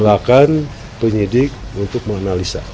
silakan penyidik untuk menganalisa